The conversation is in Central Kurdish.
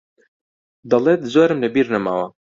دەڵێت زۆرم لەبیر نەماوە.